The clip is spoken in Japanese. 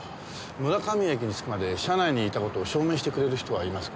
村上駅に着くまで車内にいた事を証明してくれる人はいますか？